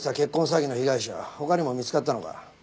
詐欺の被害者他にも見つかったのか？